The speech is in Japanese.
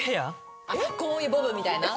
こういうボブみたいな？